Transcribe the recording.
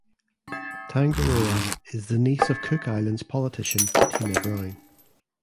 Tangaroa is the niece of Cook Islands politician Tina Browne.